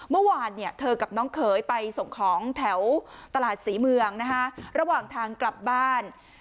เมื่อวานเธอกับน้องเขยไปส่งของแถวตลาดศรีเมืองระหว่างทางกลับบ้าน